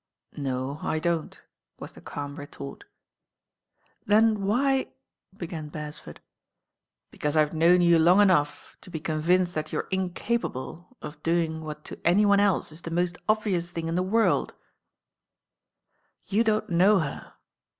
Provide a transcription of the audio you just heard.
*'No, I don V was the cahn retort. ul ^^^"^*«*" Beresford. viniiTf ^*''*; ^P""" ^rou long enough to be con vinced that you're incapable of doing what to any one else is the most obvious thing in the world." You don't know her."